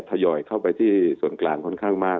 ทยอยเข้าไปที่ส่วนกลางค่อนข้างมาก